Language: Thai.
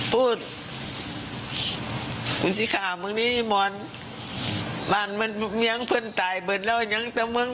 พูดคุณสิค่ะวันนี้มันมันมันเมียงเพื่อนตายเบิดแล้วยังเต้าเมือง